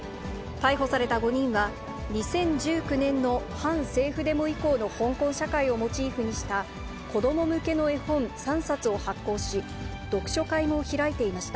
逮捕された５人は、２０１９年の反政府デモ以降の香港社会をモチーフにした、子ども向けの絵本３冊を発行し、読書会も開いていました。